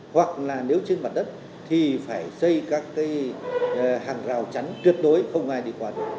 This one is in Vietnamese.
hoặc là nếu trên mặt đất thì phải xây các hàng rào chắn truyệt đối không ai đi qua